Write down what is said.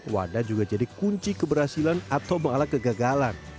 wadah juga jadi kunci keberhasilan atau mengalah kegagalan